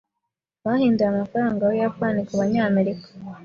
Bahinduye amafaranga yUbuyapani kubanyamerika.